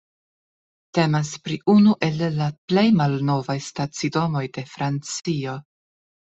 Temas pri unu el la plej malnovaj stacidomoj de Francio.